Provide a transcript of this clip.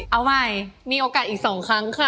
เอาใหม่มีโอกาสอีก๒ครั้งค่ะ